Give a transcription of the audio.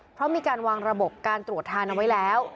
เพราะมีการวางระบบการตรวจทานเอาไว้แล้ว